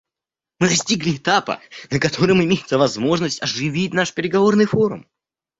Мы достигли этапа, на котором имеется возможность оживить наш переговорный форум.